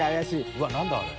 うわっ何だ？あれ。